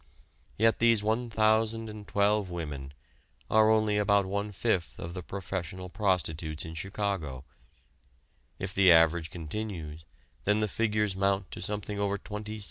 Yet these 1012 women are only about one fifth of the professional prostitutes in Chicago. If the average continues, then the figures mount to something over 27,000,000.